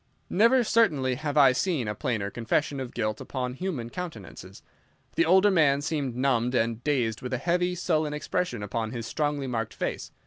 Never, certainly, have I seen a plainer confession of guilt upon human countenances. The older man seemed numbed and dazed with a heavy, sullen expression upon his strongly marked face.